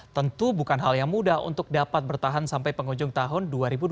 tentu bukan hal yang mudah untuk dapat bertahan sampai penghujung tahun dua ribu dua puluh